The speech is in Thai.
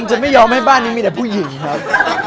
จะไม่ยอมให้บ้านนี้มีแต่ผู้หญิงครับ